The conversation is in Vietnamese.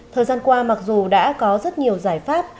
thời gian qua mặc dù đã có rất nhiều giải pháp